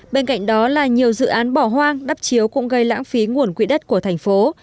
bên cạnh đó là nhiều dự án bỏ hoang đắp chiếu cũng gây lãng phí nguồn quỹ đất của thành phố